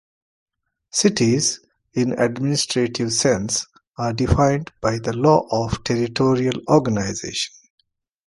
"Cities" in administrative sense are defined by the Law on Territorial Organization.